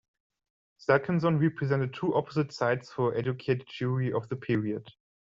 Salkinsohn represented two opposite sides for educated Jewry of the period.